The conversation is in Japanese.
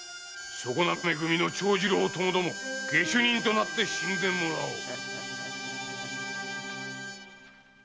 そこなめ組の長次郎ともども下手人となって死んでもらおう。